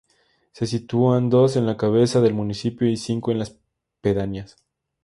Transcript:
Se sitúan dos en la cabeza del municipio y cinco en las pedanías.